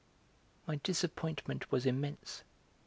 My disappointment was immense.